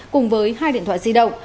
cùng với hai điện thoại di động